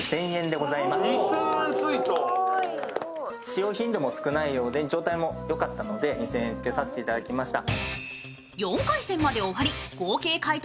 使用頻度も少ないようで状態もよかったので２０００円つけさせていただきました。